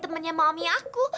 temennya mami aku